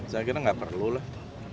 saya kira nggak perlu lah